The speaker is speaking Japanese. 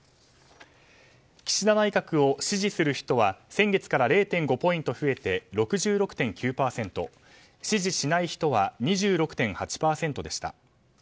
岸田内閣を支持する人は先月から０．５ポイント増えて６６．９％支持しない人は２６．８％でした。